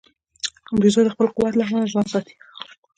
بیزو د خپل قوت له امله ځان ساتي.